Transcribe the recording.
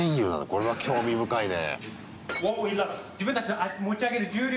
これは興味深いね。